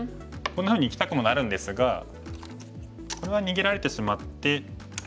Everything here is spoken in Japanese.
こんなふうにいきたくもなるんですがこれは逃げられてしまって。